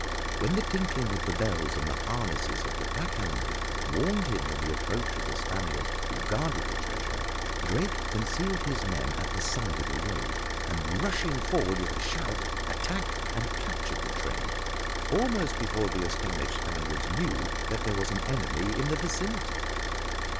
When the tinkling of the bells on the harnesses of the pack animals warned him of the approach of the Spaniards who guarded the treasure, Drake concealed his men at the side of the road, and rushing forward with a shout, attacked and captured the train almost before the astonished Spaniards knew that there was an enemy in the vicinity.